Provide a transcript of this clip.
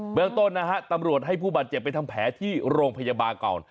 เมืองต้นนะฮะตำรวจให้ผู้บาดเจ็บไปทำแผลที่โรงพยาบาลก่อน